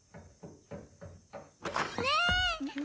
ねえ！